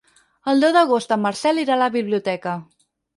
El deu d'agost en Marcel irà a la biblioteca.